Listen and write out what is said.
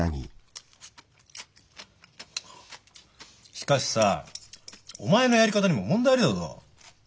しかしさお前のやり方にも問題ありだぞ。